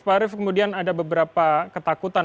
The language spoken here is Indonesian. pak arief kemudian ada beberapa ketakutan